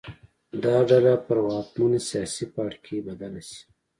دا ډله پر واکمن سیاسي پاړکي بدله شي